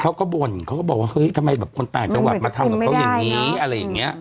บ่นเขาก็บอกว่าเฮ้ยทำไมแบบคนต่างจังหวัดมาทำกับเขาอย่างนี้อะไรอย่างเงี้ย